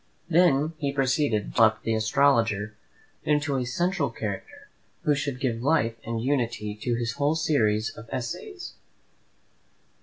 Then he proceeded to develop the astrologer into a central character, who should give life and unity to his whole series of essays.